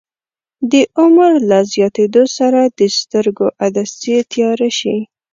د عمر له زیاتیدو سره د سترګو عدسیې تیاره شي.